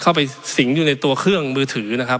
เข้าไปสิงอยู่ในตัวเครื่องมือถือนะครับ